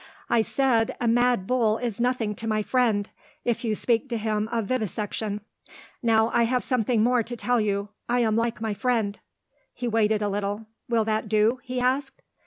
"I said, A mad bull is nothing to my friend, if you speak to him of Vivisection. Now I have something more to tell you. I am like my friend." He waited a little. "Will that do?" he asked.